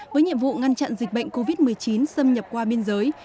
với nhiệm vụ ngăn chặn dịch bệnh covid một mươi chín xâm nhập qua biên giới